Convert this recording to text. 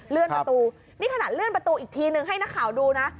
ประตูนี่ขนาดเลื่อนประตูอีกทีนึงให้นักข่าวดูนะ